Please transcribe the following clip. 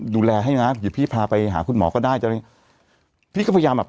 ดูแลให้นะเดี๋ยวพี่พาไปหาคุณหมอก็ได้พี่ก็พยายามแบบ